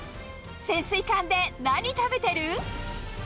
潜水艦で何食べてる？